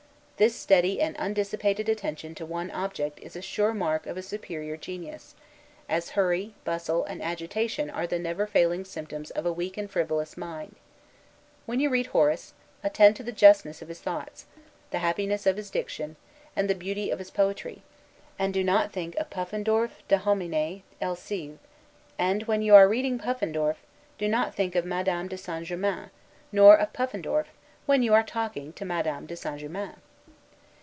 This steady and undissipated attention to one object is a sure mark of a superior genius; as hurry, bustle, and agitation are the never failing symptoms of a weak and frivolous mind. When you read Horace, attend to the justness of his thoughts, the happiness of his diction, and the beauty of his poetry; and do not think of Puffendorf de Homine el Cive; and, when you are reading Puffendorf, do not think of Madame de St. Germain; nor of Puffendorf, when you are talking to Madame de St. Germain.